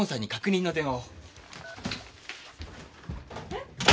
えっ？